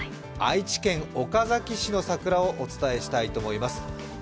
愛知県岡崎市の桜をお伝えしたいと思います。